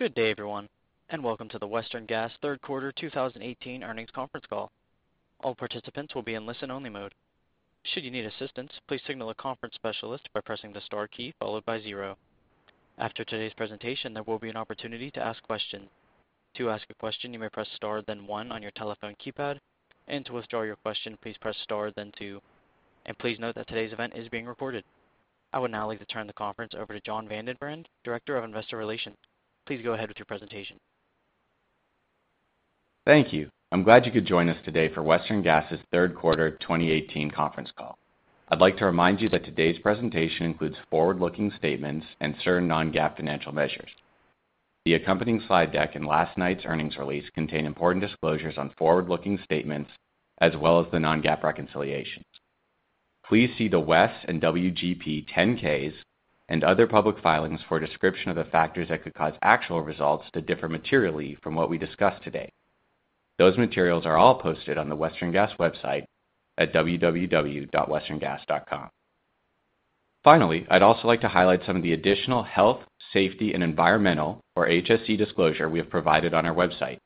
Good day, everyone, welcome to the Western Gas third quarter 2018 earnings conference call. All participants will be in listen-only mode. Should you need assistance, please signal a conference specialist by pressing the star key, followed by 0. After today's presentation, there will be an opportunity to ask questions. To ask a question, you may press star then 1 on your telephone keypad, to withdraw your question, please press star then 2. Please note that today's event is being recorded. I would now like to turn the conference over to Jon VandenBrand, Director of Investor Relations. Please go ahead with your presentation. Thank you. I'm glad you could join us today for Western Gas's third quarter 2018 conference call. I'd like to remind you that today's presentation includes forward-looking statements and certain non-GAAP financial measures. The accompanying slide deck and last night's earnings release contain important disclosures on forward-looking statements, as well as the non-GAAP reconciliations. Please see the WES and WGP 10-Ks and other public filings for a description of the factors that could cause actual results to differ materially from what we discuss today. Those materials are all posted on the Western Gas website at www.westerngas.com. I'd also like to highlight some of the additional health, safety, and environmental, or HSE disclosure we have provided on our website.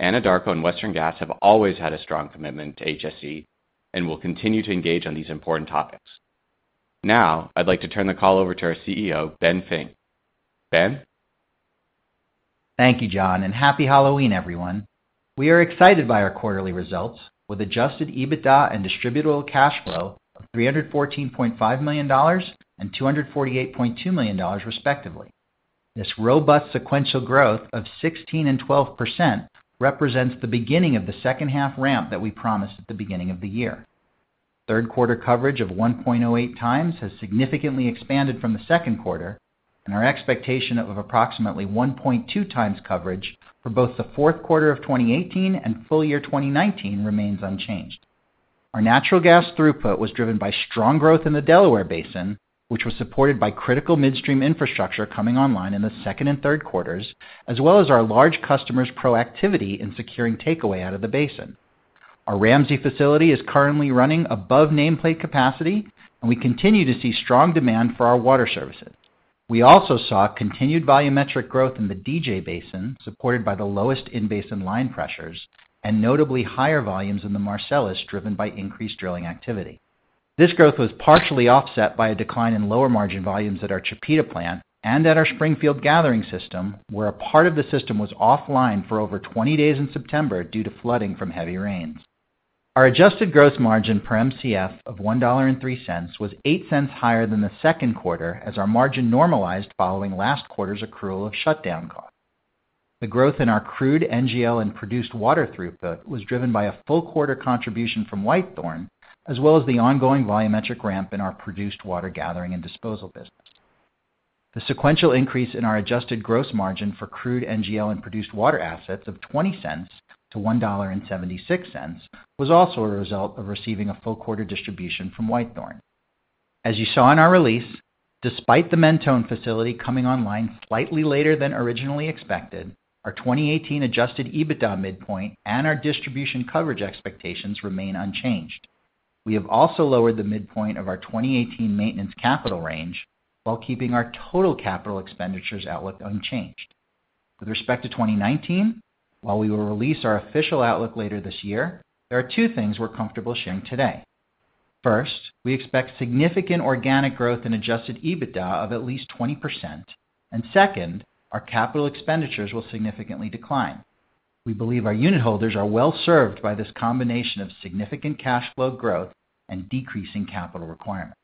Anadarko and Western Gas have always had a strong commitment to HSE and will continue to engage on these important topics. I'd like to turn the call over to our CEO, Ben Fink. Ben? Thank you, Jon, Happy Halloween, everyone. We are excited by our quarterly results with adjusted EBITDA and distributable cash flow of $314.5 million and $248.2 million, respectively. This robust sequential growth of 16% and 12% represents the beginning of the second-half ramp that we promised at the beginning of the year. Third quarter coverage of 1.08 times has significantly expanded from the second quarter, our expectation of approximately 1.2 times coverage for both the fourth quarter of 2018 and full year 2019 remains unchanged. Our natural gas throughput was driven by strong growth in the Delaware Basin, which was supported by critical midstream infrastructure coming online in the second and third quarters, as well as our large customers' proactivity in securing takeaway out of the basin. Our Ramsey facility is currently running above nameplate capacity, and we continue to see strong demand for our water services. We also saw continued volumetric growth in the DJ Basin, supported by the lowest in-basin line pressures and notably higher volumes in the Marcellus, driven by increased drilling activity. This growth was partially offset by a decline in lower margin volumes at our Chipeta plant and at our Springfield Gathering system, where a part of the system was offline for over 20 days in September due to flooding from heavy rains. Our adjusted gross margin per Mcf of $1.03 was $0.08 higher than the second quarter as our margin normalized following last quarter's accrual of shutdown costs. The growth in our crude NGL and produced water throughput was driven by a full quarter contribution from Whitethorn, as well as the ongoing volumetric ramp in our produced water gathering and disposal business. The sequential increase in our adjusted gross margin for crude NGL and produced water assets of $0.20 to $1.76 was also a result of receiving a full quarter distribution from Whitethorn. As you saw in our release, despite the Mentone facility coming online slightly later than originally expected, our 2018 adjusted EBITDA midpoint and our distribution coverage expectations remain unchanged. We have also lowered the midpoint of our 2018 maintenance capital range while keeping our total capital expenditures outlook unchanged. With respect to 2019, while we will release our official outlook later this year, there are two things we're comfortable sharing today. First, we expect significant organic growth in adjusted EBITDA of at least 20%, and second, our capital expenditures will significantly decline. We believe our unit holders are well-served by this combination of significant cash flow growth and decreasing capital requirement.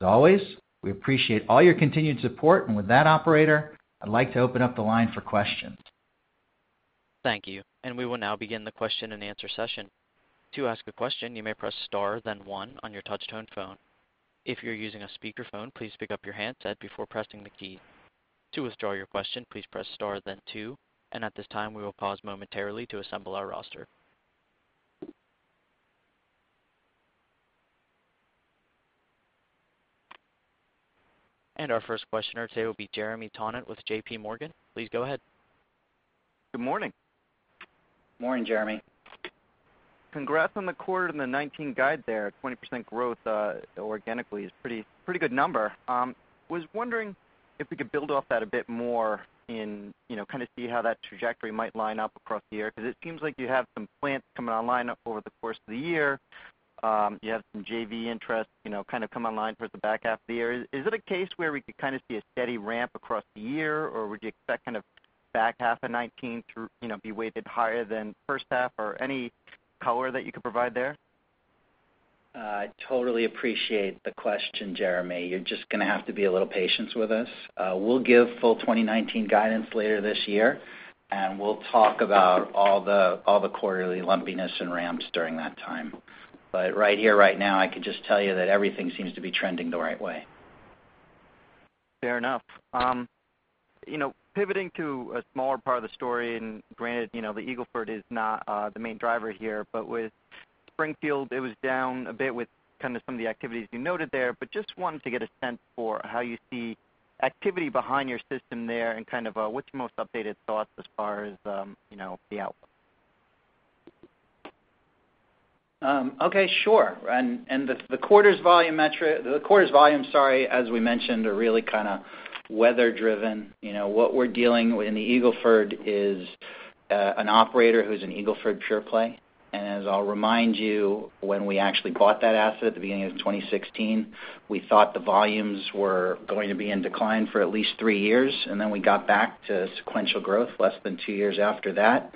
As always, we appreciate all your continued support. With that, operator, I'd like to open up the line for questions. Thank you. We will now begin the question and answer session. To ask a question, you may press star then one on your touch-tone phone. If you're using a speakerphone, please pick up your handset before pressing the key. To withdraw your question, please press star then two. At this time, we will pause momentarily to assemble our roster. Our first questioner today will be Jeremy Tonet with JPMorgan. Please go ahead. Good morning. Morning, Jeremy. Congrats on the quarter and the 2019 guide there. 20% growth organically is a pretty good number. Was wondering if we could build off that a bit more and kind of see how that trajectory might line up across the year, because it seems like you have some plants coming online up over the course of the year. You have some JV interest kind of come online towards the back half of the year. Is it a case where we could kind of see a steady ramp across the year, or would you expect kind of back half of 2019 to be weighted higher than first half or any color that you could provide there? I totally appreciate the question, Jeremy. You're just going to have to be a little patient with us. We'll give full 2019 guidance later this year, and we'll talk about all the quarterly lumpiness and ramps during that time. Right here, right now, I can just tell you that everything seems to be trending the right way. Fair enough. Pivoting to a smaller part of the story, granted, the Eagle Ford is not the main driver here, but with Springfield, it was down a bit with kind of some of the activities you noted there, but just wanted to get a sense for how you see activity behind your system there and kind of what's your most updated thoughts as far as the outlook? Okay, sure. The quarter's volume, sorry, as we mentioned, are really weather-driven. What we're dealing with in the Eagle Ford is an operator who's an Eagle Ford pure-play. As I'll remind you, when we actually bought that asset at the beginning of 2016, we thought the volumes were going to be in decline for at least three years, then we got back to sequential growth less than two years after that.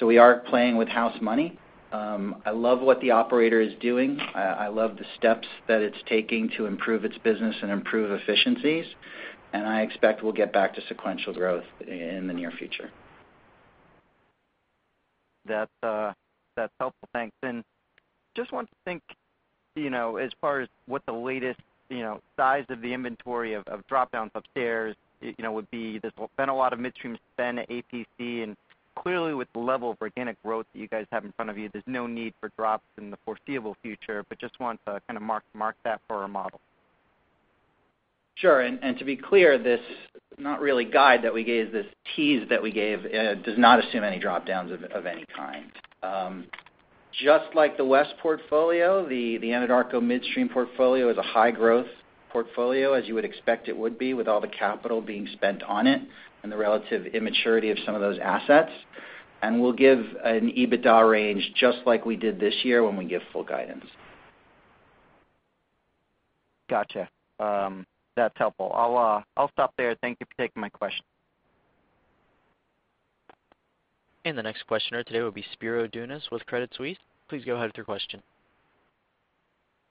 We are playing with house money. I love what the operator is doing. I love the steps that it's taking to improve its business and improve efficiencies. I expect we'll get back to sequential growth in the near future. That's helpful. Thanks. Just wanted to think, as far as what the latest size of the inventory of drop-downs upstairs would be. There's been a lot of midstream spend at APC, clearly with the level of organic growth that you guys have in front of you, there's no need for drops in the foreseeable future, but just want to kind of mark that for our model. Sure. To be clear, this, not really guide that we gave, this tease that we gave, does not assume any drop-downs of any kind. Just like the West portfolio, the Anadarko midstream portfolio is a high-growth portfolio, as you would expect it would be with all the capital being spent on it and the relative immaturity of some of those assets. We'll give an EBITDA range just like we did this year when we give full guidance. Gotcha. That's helpful. I'll stop there. Thank you for taking my question. The next questioner today will be Spiro Dounis with Credit Suisse. Please go ahead with your question.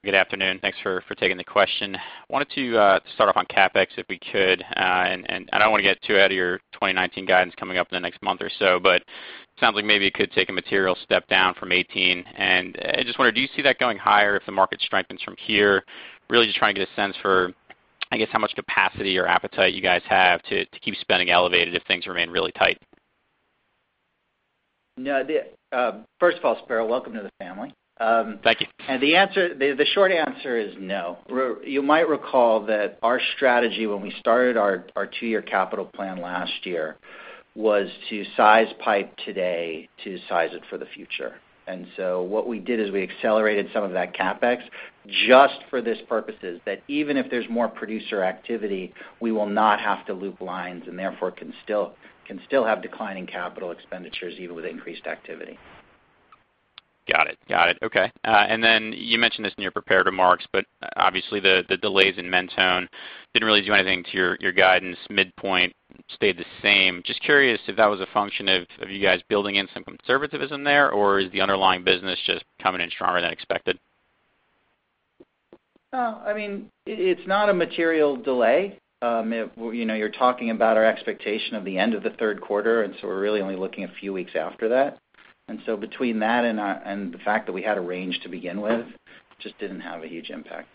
Good afternoon. Thanks for taking the question. Wanted to start off on CapEx, if we could. I don't want to get too out of your 2019 guidance coming up in the next month or so, but it sounds like maybe it could take a material step down from 2018. I just wonder, do you see that going higher if the market strengthens from here? Really just trying to get a sense for, I guess, how much capacity or appetite you guys have to keep spending elevated if things remain really tight. First of all, Spiro, welcome to the family. Thank you. The short answer is no. You might recall that our strategy when we started our two-year capital plan last year was to size pipe today to size it for the future. What we did is we accelerated some of that CapEx just for this purpose, that even if there's more producer activity, we will not have to loop lines, and therefore can still have declining capital expenditures even with increased activity. Got it. Okay. You mentioned this in your prepared remarks, obviously the delays in Mentone didn't really do anything to your guidance. Midpoint stayed the same. Just curious if that was a function of you guys building in some conservatism there, or is the underlying business just coming in stronger than expected? It's not a material delay. You're talking about our expectation of the end of the third quarter, we're really only looking a few weeks after that. Between that and the fact that we had a range to begin with, just didn't have a huge impact.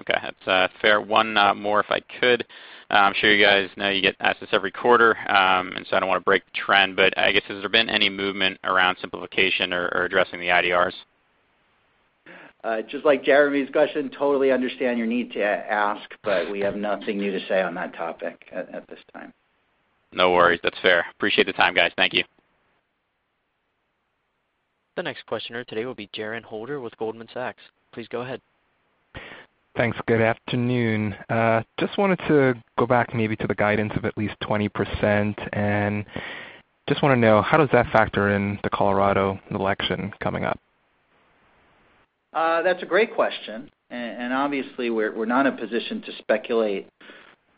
Okay. That's fair. One more, if I could. I'm sure you guys know you get asked this every quarter, I don't want to break the trend, I guess has there been any movement around simplification or addressing the IDRs? Just like Jeremy's question, totally understand your need to ask, we have nothing new to say on that topic at this time. No worries. That's fair. Appreciate the time, guys. Thank you. The next questioner today will be Jerrad Holder with Goldman Sachs. Please go ahead. Thanks. Good afternoon. Just wanted to go back maybe to the guidance of at least 20%, and just want to know, how does that factor in the Colorado election coming up? That's a great question. Obviously we're not in a position to speculate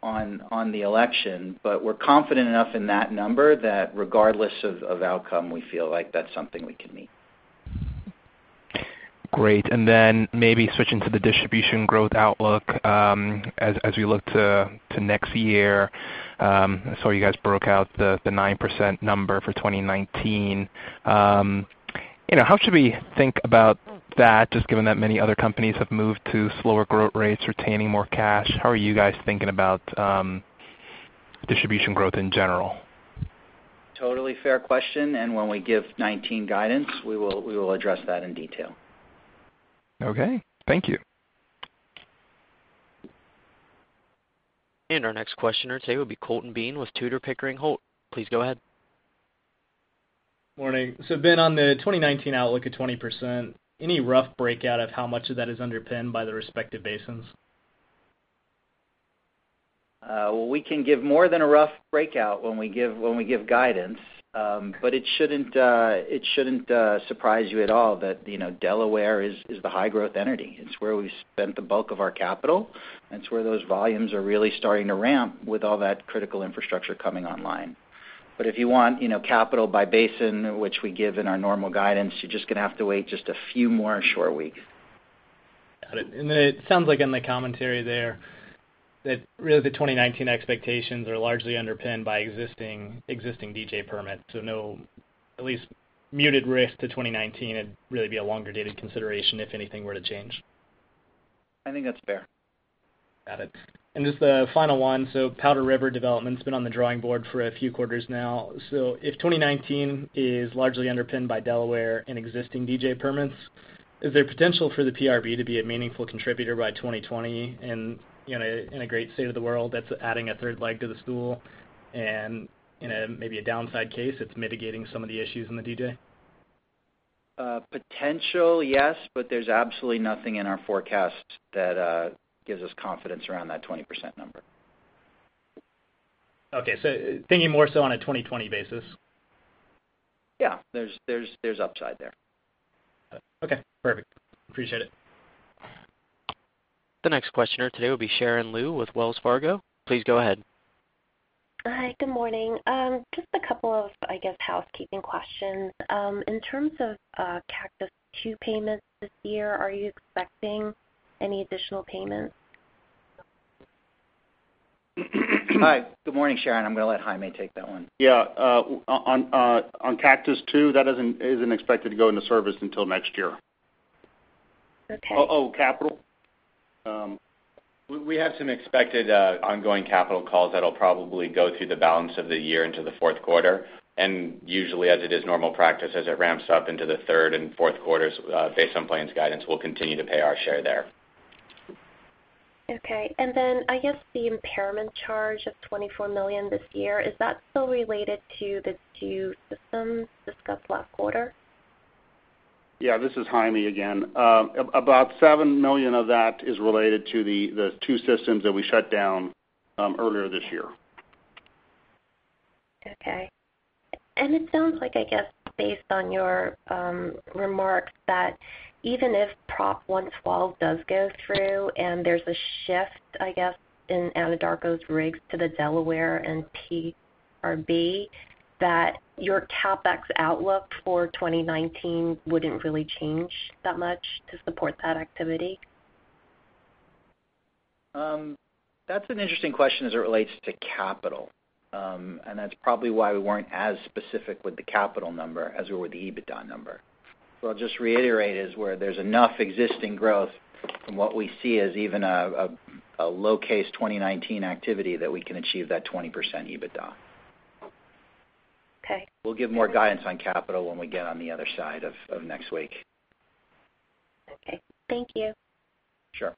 on the election, but we're confident enough in that number that regardless of outcome, we feel like that's something we can meet. Great. Maybe switching to the distribution growth outlook as we look to next year. I saw you guys broke out the 9% number for 2019. How should we think about that, just given that many other companies have moved to slower growth rates, retaining more cash? How are you guys thinking about distribution growth in general? Totally fair question, and when we give 2019 guidance, we will address that in detail. Okay. Thank you. Our next questioner today will be Colton Bean with Tudor, Pickering, Holt. Please go ahead. Morning. Ben, on the 2019 outlook of 20%, any rough breakout of how much of that is underpinned by the respective basins? We can give more than a rough breakout when we give guidance. It shouldn't surprise you at all that Delaware is the high-growth entity. It's where we've spent the bulk of our capital, and it's where those volumes are really starting to ramp with all that critical infrastructure coming online. If you want capital by basin, which we give in our normal guidance, you're just going to have to wait just a few more short weeks. Got it. It sounds like in the commentary there that really the 2019 expectations are largely underpinned by existing DJ permits. At least muted risk to 2019, it'd really be a longer-dated consideration if anything were to change. I think that's fair. Got it. Just a final one. Powder River development's been on the drawing board for a few quarters now. If 2019 is largely underpinned by Delaware and existing DJ permits, is there potential for the PRB to be a meaningful contributor by 2020? In a great state of the world, that's adding a third leg to the stool, and in maybe a downside case, it's mitigating some of the issues in the DJ? Potential, yes, there's absolutely nothing in our forecast that gives us confidence around that 20% number. Okay. Thinking more so on a 2020 basis. Yeah. There's upside there. Okay, perfect. Appreciate it. The next questioner today will be Sharon Lu with Wells Fargo. Please go ahead. Hi, good morning. Just a couple of, I guess, housekeeping questions. In terms of Cactus II payments this year, are you expecting any additional payments? Hi. Good morning, Sharon. I'm going to let Jaime take that one. Yeah. On Cactus II, that isn't expected to go into service until next year. Okay. Oh, capital? We have some expected ongoing capital calls that'll probably go through the balance of the year into the fourth quarter, and usually as it is normal practice as it ramps up into the third and fourth quarters, based on Plains guidance, we'll continue to pay our share there. Okay. I guess the impairment charge of $24 million this year, is that still related to the two systems discussed last quarter? Yeah, this is Jaime again. About $7 million of that is related to the two systems that we shut down earlier this year. Okay. It sounds like, I guess based on your remarks, that even if Prop 112 does go through and there's a shift, I guess, in Anadarko's rigs to the Delaware and PRB, that your CapEx outlook for 2019 wouldn't really change that much to support that activity? That's an interesting question as it relates to capital. That's probably why we weren't as specific with the capital number as we were with the EBITDA number. What I'll just reiterate is where there's enough existing growth from what we see as even a low case 2019 activity, that we can achieve that 20% EBITDA. Okay. We'll give more guidance on capital when we get on the other side of next week. Okay. Thank you. Sure.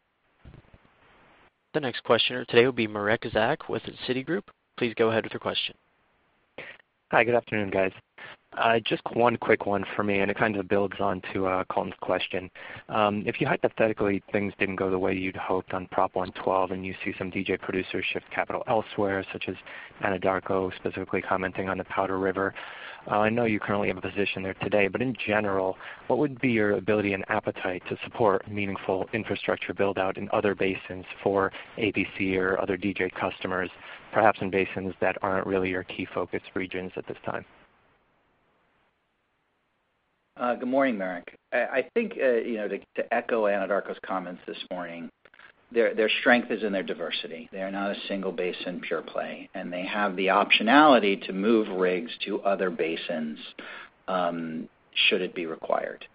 The next questioner today will be Marek Zach with Citigroup. Please go ahead with your question. Hi. Good afternoon, guys. Just one quick one for me. It kind of builds on to Colton's question. If you hypothetically, things didn't go the way you'd hoped on Proposition 112, you see some DJ producers shift capital elsewhere, such as Anadarko specifically commenting on the Powder River. I know you currently have a position there today. In general, what would be your ability and appetite to support meaningful infrastructure build-out in other basins for APC or other DJ customers, perhaps in basins that aren't really your key focus regions at this time? Good morning, Marek. I think, to echo Anadarko's comments this morning, their strength is in their diversity. They are not a single basin pure play. They have the optionality to move rigs to other basins should it be required.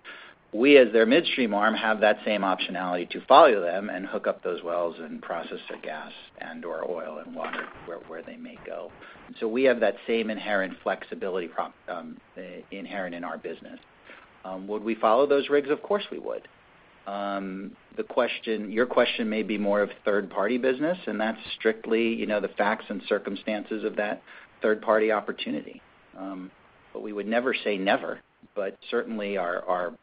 We, as their midstream arm, have that same optionality to follow them, hook up those wells, process their gas and/or oil and water where they may go. We have that same inherent flexibility inherent in our business. Would we follow those rigs? Of course, we would. Your question may be more of third-party business. That's strictly the facts and circumstances of that third-party opportunity. We would never say never, certainly our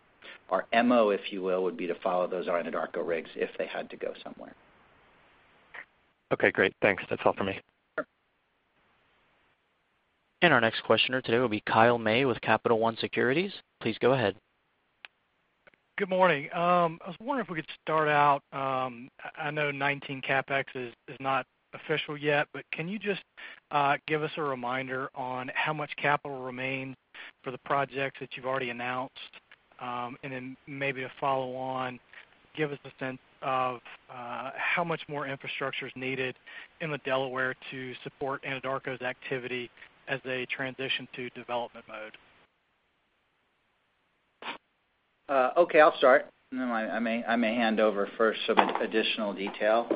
MO, if you will, would be to follow those Anadarko rigs if they had to go somewhere. Okay, great. Thanks. That's all for me. Sure. Our next questioner today will be Kyle May with Capital One Securities. Please go ahead. Good morning. I was wondering if we could start out, I know 2019 CapEx is not official yet, but can you just give us a reminder on how much capital remains for the projects that you've already announced? Maybe a follow on, give us a sense of how much more infrastructure is needed in the Delaware to support Anadarko's activity as they transition to development mode. Okay, I'll start, and then I may hand over for some additional detail.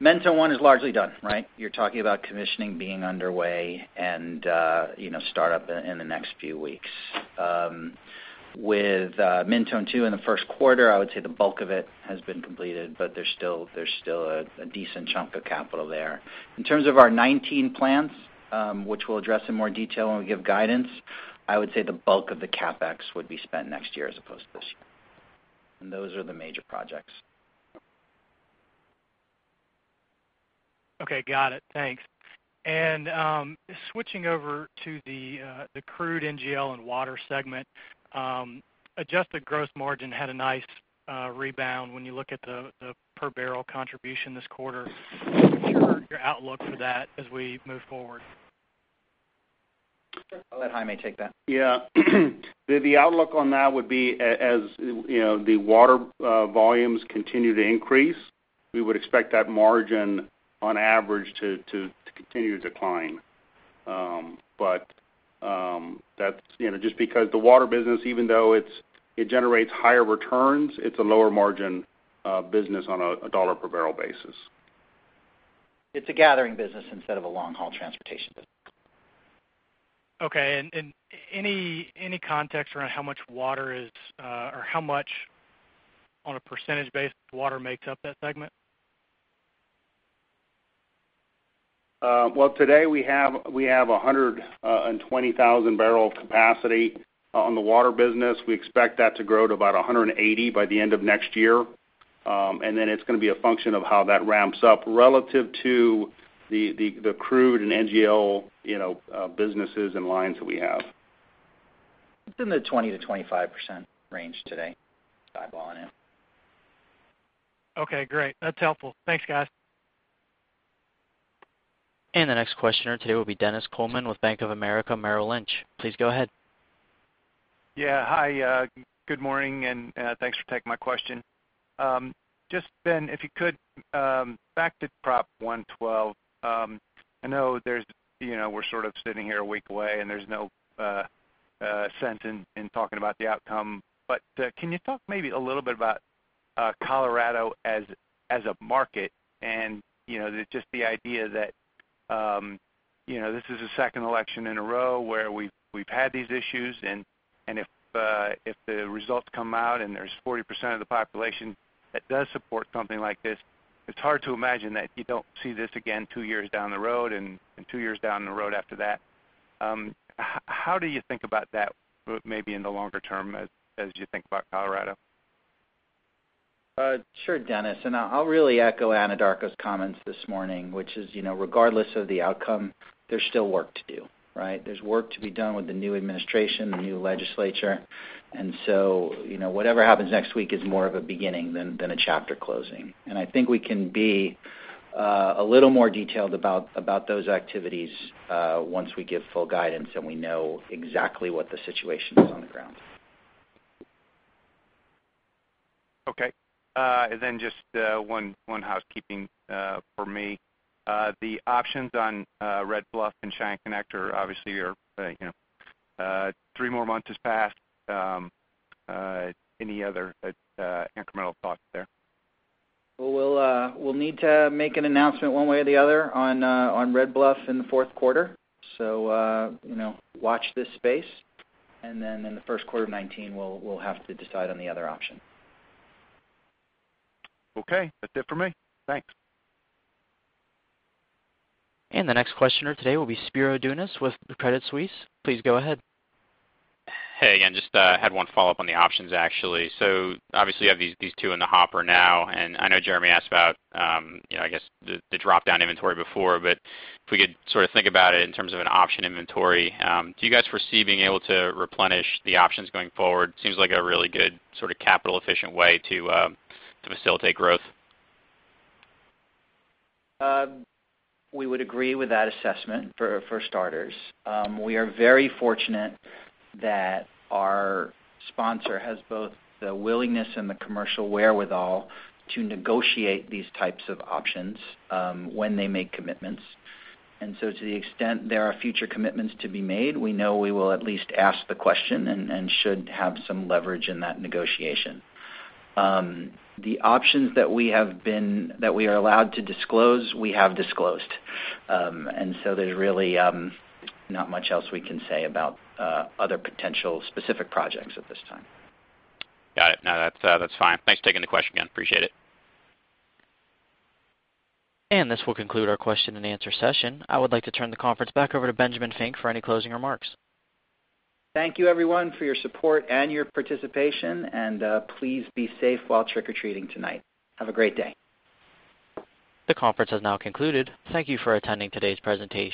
Mentone One is largely done. You're talking about commissioning being underway and start-up in the next few weeks. With Mentone Two in the first quarter, I would say the bulk of it has been completed, but there's still a decent chunk of capital there. In terms of our 2019 plans, which we'll address in more detail when we give guidance, I would say the bulk of the CapEx would be spent next year as opposed to this year. Those are the major projects. Okay, got it. Thanks. Switching over to the crude NGL and water segment. Adjusted gross margin had a nice rebound when you look at the per-barrel contribution this quarter. What's your outlook for that as we move forward? I'll let Jaime take that. Yeah. The outlook on that would be as the water volumes continue to increase, we would expect that margin on average to continue to decline. That's just because the water business, even though it generates higher returns, it's a lower margin business on a dollar per barrel basis. It's a gathering business instead of a long-haul transportation business. Okay, any context around how much water is or how much on a percentage basis water makes up that segment? Well, today we have 120,000-barrel capacity on the water business. We expect that to grow to about 180 by the end of next year. Then it's going to be a function of how that ramps up relative to the crude and NGL businesses and lines that we have. It's in the 20%-25% range today, eyeballing it. Okay, great. That's helpful. Thanks, guys. The next questioner today will be Dennis Coleman with Bank of America Merrill Lynch. Please go ahead. Yeah. Hi, good morning, and thanks for taking my question. Just, Ben, if you could, back to Proposition 112. I know we're sort of sitting here a week away, and there's no sense in talking about the outcome. Can you talk maybe a little bit about Colorado as a market and just the idea that this is the second election in a row where we've had these issues, and if the results come out and there's 40% of the population that does support something like this, it's hard to imagine that you don't see this again two years down the road and two years down the road after that. How do you think about that, maybe in the longer term as you think about Colorado? Sure, Dennis. I'll really echo Anadarko's comments this morning, which is regardless of the outcome, there's still work to do, right? There's work to be done with the new administration, the new legislature. Whatever happens next week is more of a beginning than a chapter closing. I think we can be a little more detailed about those activities once we give full guidance and we know exactly what the situation is on the ground. Okay. Just one housekeeping for me. The options on Red Bluff and Cheyenne Connector obviously three more months has passed. Any other incremental thoughts there? We'll need to make an announcement one way or the other on Red Bluff in the fourth quarter. Watch this space. In the first quarter of 2019, we'll have to decide on the other option. Okay. That's it for me. Thanks. The next questioner today will be Spiro Dounis with Credit Suisse. Please go ahead. Hey, yeah, just had one follow-up on the options, actually. Obviously, you have these two in the hopper now, and I know Jeremy asked about the drop-down inventory before, but if we could sort of think about it in terms of an option inventory. Do you guys foresee being able to replenish the options going forward? Seems like a really good sort of capital-efficient way to facilitate growth. We would agree with that assessment, for starters. We are very fortunate that our sponsor has both the willingness and the commercial wherewithal to negotiate these types of options when they make commitments. To the extent there are future commitments to be made, we know we will at least ask the question and should have some leverage in that negotiation. The options that we are allowed to disclose, we have disclosed. There's really not much else we can say about other potential specific projects at this time. Got it. No, that's fine. Thanks for taking the question again. Appreciate it. This will conclude our question and answer session. I would like to turn the conference back over to Benjamin Fink for any closing remarks. Thank you, everyone, for your support and your participation, and please be safe while trick-or-treating tonight. Have a great day. The conference has now concluded. Thank you for attending today's presentation